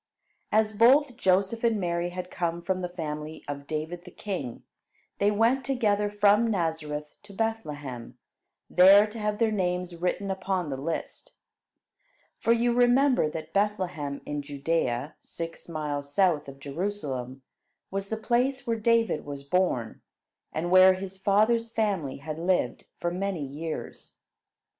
As both Joseph and Mary had come from the family of David the king, they went together from Nazareth to Bethlehem, there to have their names written upon the list. For you remember that Bethlehem in Judea, six miles south of Jerusalem, was the place where David was born, and where his father's family had lived for many years.